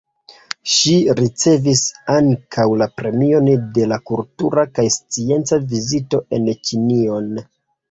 Ŝi ricevis ankaŭ la Premion de la Kultura kaj Scienca Vizito en Ĉinion.